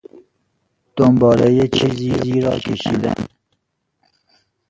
دنباله چیزی را کشیدن